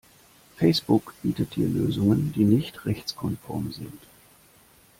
Facebook bietet dir Lösungen, die nicht rechtskonform sind.